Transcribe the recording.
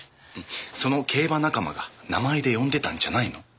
その競馬仲間が名前で呼んでたんじゃないの？